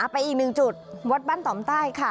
ไปอีกหนึ่งจุดวัดบ้านต่อมใต้ค่ะ